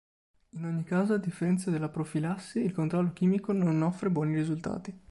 In ogni caso, a differenza della profilassi, il controllo chimico non offre buoni risultati.